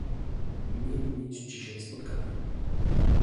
Mieli mieć dzisiaj spotkanie